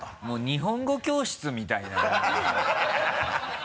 もう日本語教室みたいななんか。